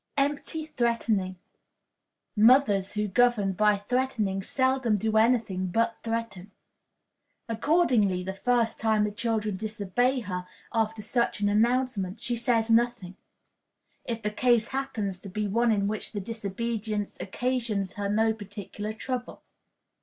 Empty Threatening. Mothers who govern by threatening seldom do any thing but threaten. Accordingly, the first time the children disobey her, after such an announcement, she says nothing, if the case happens to be one in which the disobedience occasions her no particular trouble.